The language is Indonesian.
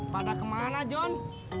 pada kemana john